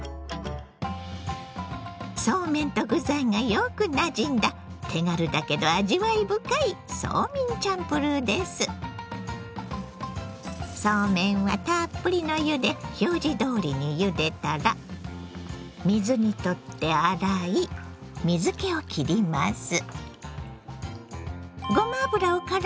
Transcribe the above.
そうめんと具材がよくなじんだ手軽だけど味わい深いそうめんはたっぷりの湯で表示どおりにゆでたら水にとって洗い水けをきります。